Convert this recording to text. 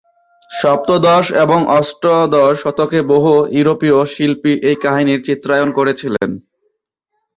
সপ্তদশ এবং অষ্টাদশ শতকে বহু ইউরোপিয় শিল্পী এই কাহিনির চিত্রায়ন করেছিলেন।